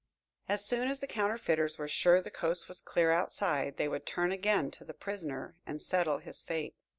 As soon as the counterfeiters were sure the coast was clear outside, they would turn again to the prisoner and settle his fate.